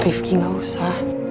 rifky gak usah